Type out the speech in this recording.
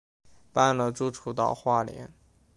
搬了住处到花莲